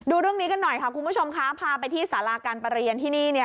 ดูเรื่องนี้กันหน่อยค่ะคุณผู้ชมค่ะพาไปที่สาราการประเรียนที่นี่เนี่ย